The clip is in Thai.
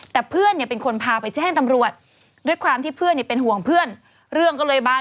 แต่เพื่อนเป็นคนพาไปแจ้งตำรวจด้วยความที่เพื่อนเป็นห่วงเพื่อน